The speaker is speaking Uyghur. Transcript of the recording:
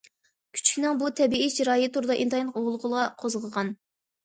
كۈچۈكنىڭ بۇ تەبىئىي چىرايى توردا ئىنتايىن غۇلغۇلا قوزغىغان.